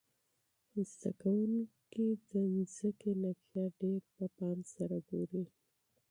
زده کوونکي د جغرافیې نقشه په دقت ګوري.